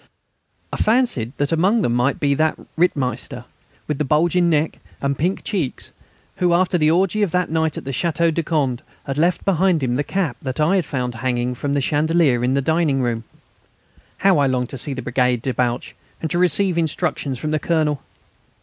I fancied that among them might be found that Rittmeister with the bulging neck and pink cheeks, who, after the orgy of that night at the Château de Condé, had left behind him the cap that I had found hanging from the chandelier in the dining room. How I longed to see the brigade debouch, and to receive instructions from the Colonel!